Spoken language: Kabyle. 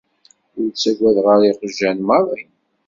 Ur ttagadeɣ ara iqjan maḍi.